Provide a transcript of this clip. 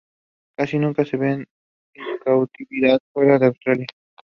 The soundtrack was released under the banner Zee Music Company.